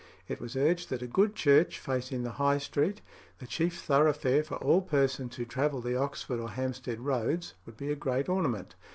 It was urged that a good church facing the High Street, the chief thoroughfare for all persons who travelled the Oxford or Hampstead roads, would be a great ornament.